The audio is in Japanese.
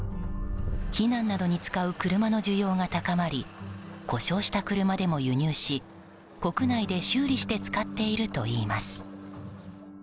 避難などに使う車の需要が高まり故障した車でも輸入し国内で修理して使っているといいます。